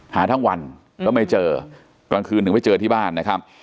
หาทั้งวันก็ไม่เจอกลางคืนถึงไม่เจอที่บ้านนะครับ